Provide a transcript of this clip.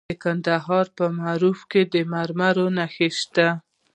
د کندهار په معروف کې د مرمرو نښې شته.